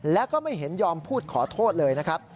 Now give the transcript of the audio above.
แล้วก็ไม่เห็นยอมพูดขอโทษเลยนะครับ